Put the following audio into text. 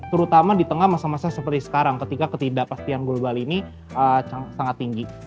terutama di tengah masa masa seperti sekarang ketika ketidakpastian global ini sangat tinggi